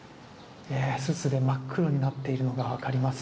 すすで真っ黒になっているのがわかります。